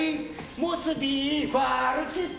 モスビーファウルチップ！